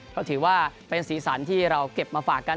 เขาถือว่าเป็นศีลสรรค์ที่เราเก็บมาฝากกัน